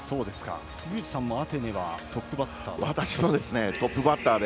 杉内さんもアテネはトップバッターで。